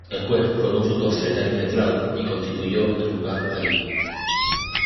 El juez fue con sus dos secretarios letrados y constituyó el juzgado allí.